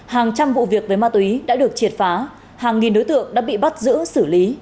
hàng trăm vụ việc với ma túy đã được triệt phá hàng nghìn đối tượng đã bị bắt giữ xử lý